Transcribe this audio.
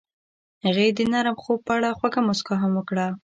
هغې د نرم خوب په اړه خوږه موسکا هم وکړه.